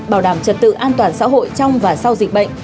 bảo đảm trật tự an toàn xã hội trong và sau dịch bệnh